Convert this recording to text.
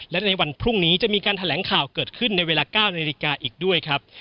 และในวันพรุ่งนี้จะมีการแถลงข่าวเกิดขึ้นในเวลา๙นาฬิกาอีกด้วยครับ